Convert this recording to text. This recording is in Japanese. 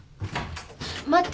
待って。